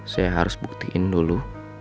saya harus buktiin dulu